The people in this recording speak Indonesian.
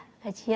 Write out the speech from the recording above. jadi ini begitu